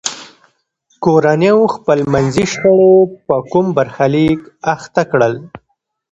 کورنیو خپلمنځي شخړو په کوم برخلیک اخته کړل.